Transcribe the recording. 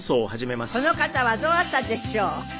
さてこの方はどなたでしょう？